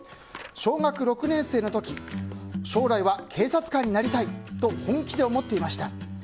小学６年生の時将来は警察官になりたいと本気で思っていました。